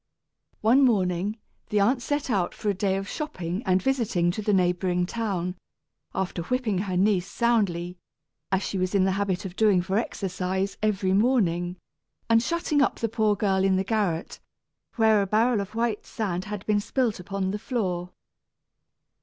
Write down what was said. One morning, the aunt set out for a day of shopping and visiting to the neighboring town, after whipping her niece soundly (as she was in the habit of doing for exercise, every morning), and shutting up the poor girl in the garret, where a barrel of white sand had been spilt upon the floor.